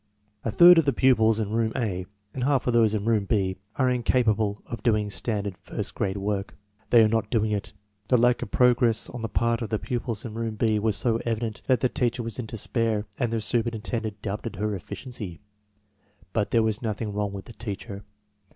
A third of the pupils in room A and half of those in room B are incapable of doing standard first grade work. They are not doing it. The lack of progress on the part of the pupils in room B was so evident that the teacher was in despair and the superintendent doubted her efficiency. But there was nothing wrong with the teacher.